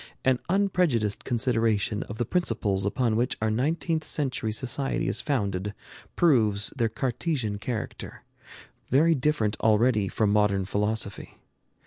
An unprejudiced consideration of the principles upon which our nineteenth century society is founded proves their Cartesian character, very different already from modern philosophy.